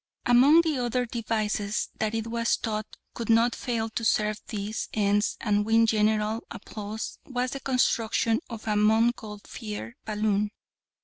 Among the other devices that it was thought could not fail to serve these ends and win general applause was the construction of a Montgolfier balloon.